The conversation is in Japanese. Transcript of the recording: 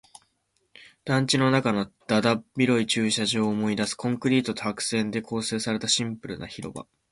団地の中のだだっ広い駐車場を思い出す。コンクリートと白線で構成されたシンプルな広場。